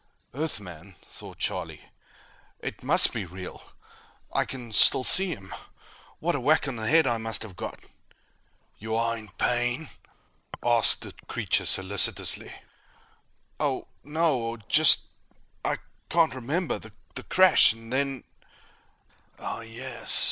Earthman! thought Charlie. It must be real: I can still see him. What a whack on the head I must have got! "You are in pain?" asked the creature solicitously. "Oh ... no. Just ... I can't remember. The crash ... and then " "Ah, yes.